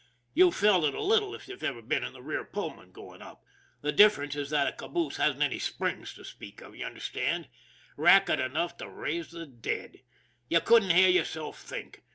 You've felt it a little if you've ever been in the rear Pullman going up the difference is that a caboose hasn't any springs to speak of, you understand? Racket enough to raise the dead. You couldn't hear yourself think.